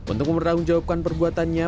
untuk mempertanggung jawabkan perbuatannya